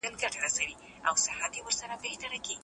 د ورځني مهالوېش بدلون اغېزمن دی.